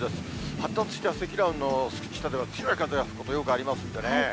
発達した積乱雲の下では、強い風が吹くこと、よくありますんでね。